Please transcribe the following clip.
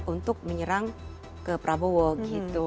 untuk menyerang ke prabowo gitu